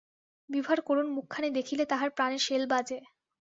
বিভার করুণ মুখখানি দেখিলে তাঁহার প্রাণে শেল বাজে।